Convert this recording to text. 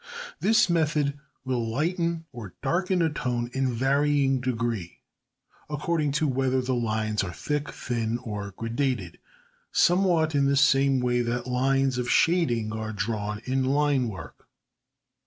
This method will lighten or darken a tone in varying degree, according to whether the lines are thick, thin, or gradated somewhat in the same way that lines of shading are drawn in line work.